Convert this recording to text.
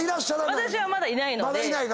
私はまだいないので。